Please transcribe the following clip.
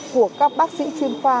của các bác sĩ chuyên khoa